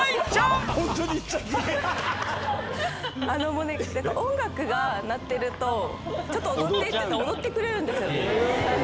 もう音楽が鳴ってるとちょっと踊ってって言ったら踊ってくれるんですよ。